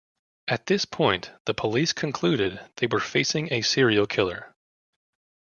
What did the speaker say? At this point, the police concluded they were facing a serial killer.